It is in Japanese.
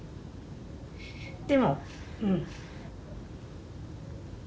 でもうん。